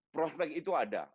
prospek itu ada